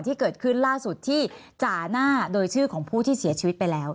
ที่เกิดขึ้นล่าสุดที่จ่าหน้าโดยชื่อของผู้ที่เสียชีวิตไปแล้ว